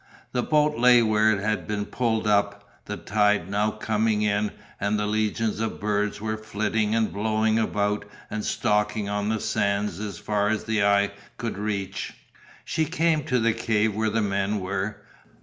The boat lay where it had been pulled up, the tide now coming in and legions of birds were flitting and blowing about and stalking on the sands as far as eye could reach. She came to the cave where the men were.